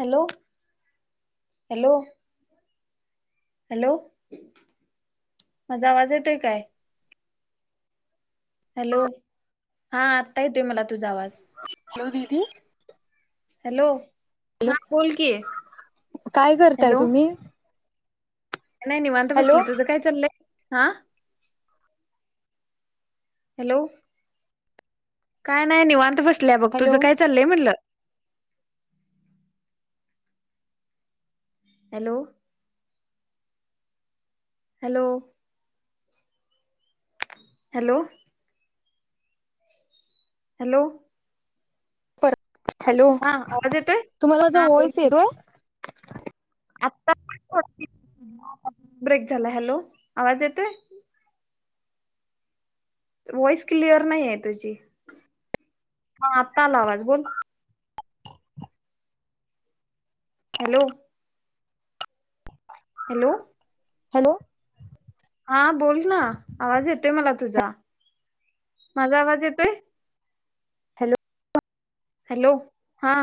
Hello hello... hello माझा आवाज येतोय काय? हॅलो हा आता येतोय मला तुझा आवाज. हॅलो दीदी.. हॅलो हॅलो हा बोल कि काय करताय हॅलो.. तुम्ही नाही निवांत हॅलो बसले तुझं काय चाललंय हा... हॅलो काय नाही निवांत बसल्या. बघ हॅलो तुझं काय चाललंय म्हणलं. Hello... hello.. hello... hello... hello हा आवाज येतोय तुम्हाला हा बोल वॉइस की येतोय? आता ब्रेक झालाय. हॅलो, आवाज येतोय? व्हॉईस क्लिअर नाही आहे तुझी. हा आत्ता आला आवाज बोल... हॅलो, हॅलो, हॅलो, हा बोल ना, आवाज येतोय मला तुझा... माझा आवाज येतोय. हॅलो, हॅलो, हा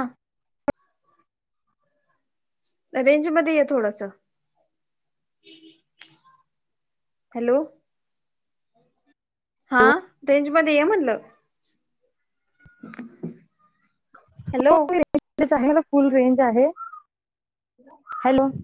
रेंजमध्ये ये थोडस.. हॅलो, हा रेंजमध्ये ये म्हटलं. हॅलो, आहे ना. फुल रेंज आहे. हॅलो,